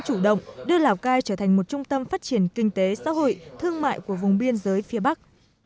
chủ động đưa lào cai trở thành một trung tâm phát triển kinh tế xã hội thương mại của vùng biên giới phía bắc